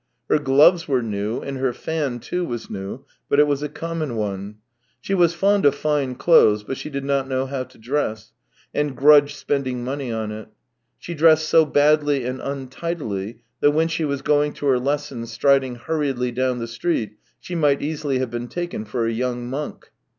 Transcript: Her gloves were new. and her fan, too, was new, but it was a common one. She was fond of fine clothes, but she did not know how to dress, and grudged spending money on it. She dressed so badly and untidily that when she was going to her lessons striding hurriedly down the street, she might easily have been taken for a young monk.